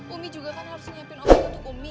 umi juga kan harus nyiapin obat untuk umi